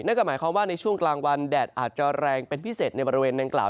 นั่นก็หมายความว่าในช่วงกลางวันแดดอาจจะแรงเป็นพิเศษในบริเวณดังกล่าว